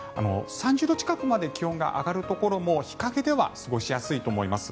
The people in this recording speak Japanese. ３０度近くまで気温が上がるところも日陰では過ごしやすいと思います。